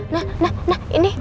nah nah nah ini